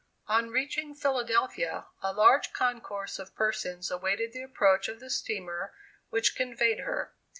On reaching Philadelphia, a large concourse of persons awaited the approach of the steamer which conveyed her.